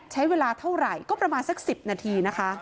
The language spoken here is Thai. ใช้เวลาเท่าไหร่ก็ประมาณสัก๑๐นาทีนะคะ